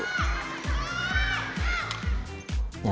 pertama di indonesia